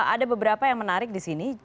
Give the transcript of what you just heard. ada beberapa yang menarik di sini